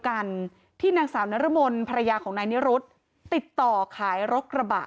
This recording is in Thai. กันที่นางสาวนรมนภรรยาของนายนิรุธติดต่อขายรถกระบะ